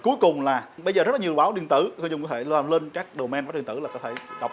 cuối cùng là bây giờ rất nhiều báo điện tử cư dùng có thể lên các domain và điện tử là có thể đọc